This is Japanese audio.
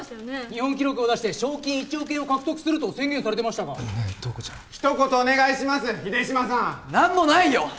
日本記録を出して賞金１億円を獲得すると宣言されてましたが塔子ちゃん一言お願いします秀島さん何もないよ！